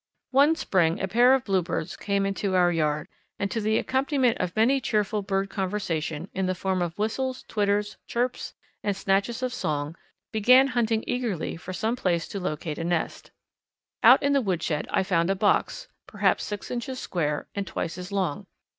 _ One spring a pair of Bluebirds came into our yard, and to the accompaniment of much cheerful bird conversation, in the form of whistles, twitters, chirps, and snatches of song, began hunting eagerly for some place to locate a nest. Out in the woodshed I found a box, perhaps six inches square and twice as long.